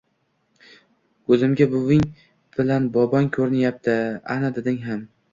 Ko‘zimga buving bilan bobong ko‘rinyapti, ana, dadang ham